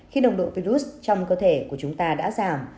khi nồng độ virus trong cơ thể của chúng ta đã giảm